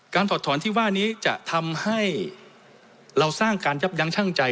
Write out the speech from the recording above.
ถอดถอนที่ว่านี้จะทำให้เราสร้างการยับยั้งชั่งใจ